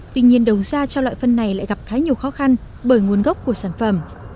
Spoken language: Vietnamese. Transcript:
tuy nhiên đầu ra cho loại phân này lại gặp khá nhiều khó khăn bởi nguồn gốc của sản phẩm